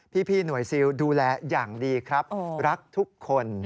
พี่หน่วยซิลดูแลอย่างดีครับรักทุกคน